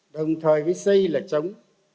đồng thời với xây là chống